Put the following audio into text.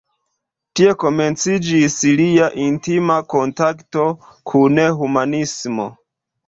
Tie komenciĝis lia intima kontakto kun humanismo.